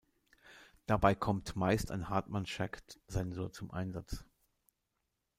Dabei kommt meist ein Hartmann-Shack-Sensor zum Einsatz.